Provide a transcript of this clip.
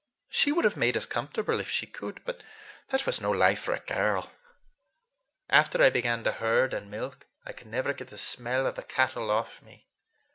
She would have made us comfortable if she could. But that was no life for a girl! After I began to herd and milk I could never get the smell of the cattle off me.